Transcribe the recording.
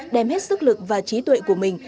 đem hết sức lực và trí tuệ của mình